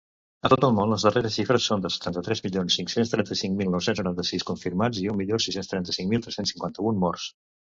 A tot el món, les darreres xifres són de setanta-tres milions cinc-cents trenta-cinc mil nou-cents noranta-sis confirmats i un milió sis-cents trenta-cinc mil tres-cents cinquanta-un morts.